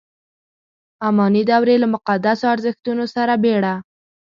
اماني دورې له مقدسو ارزښتونو سره بېړه.